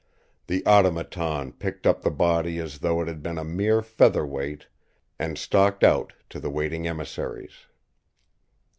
The Automaton picked up the body as though it had been a mere feather weight and stalked out to the waiting emissaries.